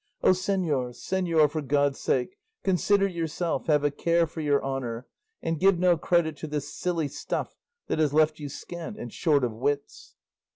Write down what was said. O señor, señor, for God's sake, consider yourself, have a care for your honour, and give no credit to this silly stuff that has left you scant and short of wits."